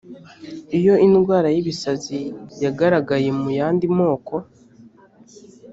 iyo indwara y’ibisazi yagaragaye mu yandi moko